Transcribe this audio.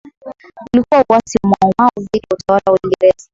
Ulikuwa uasi wa Mau Mau dhidi ya utawala wa Uingereza